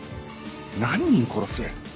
何人殺す？